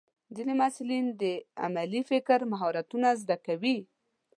ځینې محصلین د علمي فکر مهارتونه زده کوي.